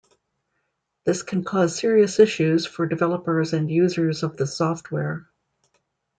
This can cause serious issues for developers and users of the software.